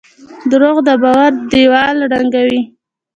دروغ د باور دیوال ړنګوي.